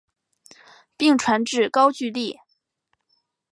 并传至高句丽。